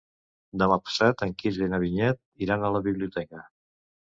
Demà passat en Quirze i na Vinyet iran a la biblioteca.